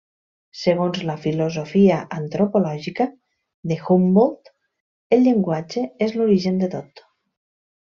Segons la filosofia antropològica de Humboldt el llenguatge és l'origen de tot.